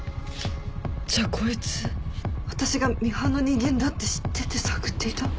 じゃあこいつ私がミハンの人間だって知ってて探っていた？